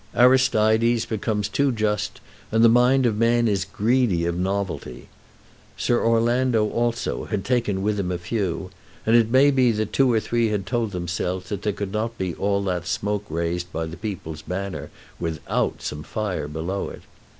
Aristides becomes too just, and the mind of man is greedy of novelty. Sir Orlando, also, had taken with him a few, and it may be that two or three had told themselves that there could not be all that smoke raised by the "People's Banner" without some fire below it.